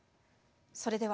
それでは。